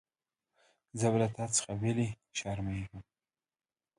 زه به له تا څخه ویلي شرمېږم.